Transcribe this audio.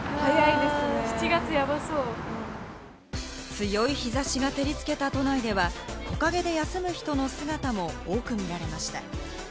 強い日差しが照りつけた都内では、木陰で休む人の姿も多く見られました。